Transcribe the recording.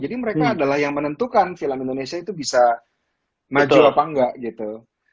jadi mereka adalah yang menentukan film indonesia itu bisa maju apa enggak gitu